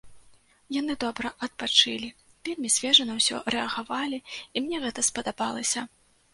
Яны добра адпачылі, вельмі свежа на ўсё рэагавалі, і мне гэта спадабалася.